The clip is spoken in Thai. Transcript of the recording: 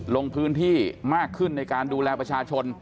ลงพื้นที่มากขึ้นในการดูแลประชาชน